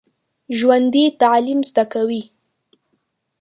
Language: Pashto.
ژوندي تعلیم زده کوي